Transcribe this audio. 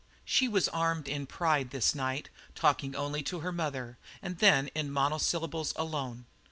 She was armed in pride this night, talking only to her mother, and then in monosyllables alone.